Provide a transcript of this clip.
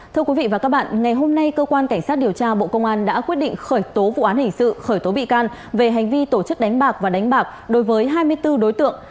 thưa quý vị và các bạn ngày hôm nay cơ quan cảnh sát điều tra bộ công an đã quyết định khởi tố vụ án hình sự khởi tố bị can về hành vi tổ chức đánh bạc và đánh bạc đối với hai mươi bốn đối tượng